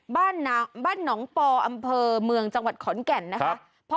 บ้านน้ำบ้านหนองปออำเภอเมืองจังหวัดขอนแก่นนะคะครับ